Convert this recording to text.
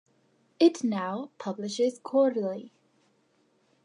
It now publishes quarterly.